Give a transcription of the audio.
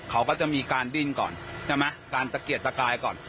เขาก็จะมีการดิ้นก่อนใช่ไหมการตะเกียดตะกายก่อน